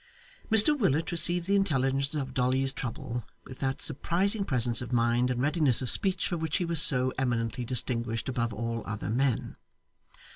Mr Willet received the intelligence of Dolly's trouble with that surprising presence of mind and readiness of speech for which he was so eminently distinguished above all other men.